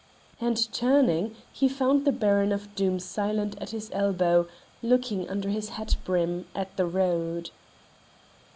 And turning, he found the Baron of Doom silent at his elbow, looking under his hat brim at the road.